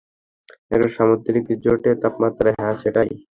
একটা সামুদ্রিক জোনে তাপমাত্রা হ্যাঁ, সেটাই।